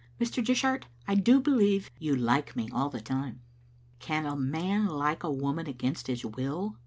• Mr. Dishart^ I do believe you like me all the time." "Can a man like a woman against his will?"